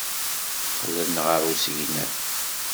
Qqlen ɣer usegnaf.